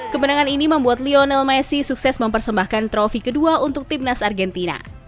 kemenangan ini membuat lionel messi sukses mempersembahkan trofi kedua untuk timnas argentina